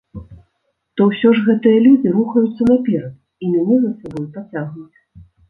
То ўсё ж гэтыя людзі рухаюцца наперад, і мяне за сабой пацягнуць.